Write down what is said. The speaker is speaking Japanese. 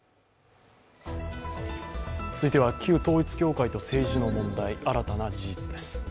続いては旧統一教会と政治の問題、新たな事実です。